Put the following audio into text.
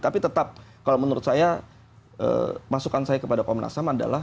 tapi tetap kalau menurut saya masukan saya kepada komnas ham adalah